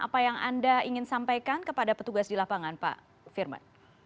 apa yang anda ingin sampaikan kepada petugas di lapangan pak firman